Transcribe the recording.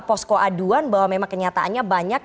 posko aduan bahwa memang kenyataannya banyak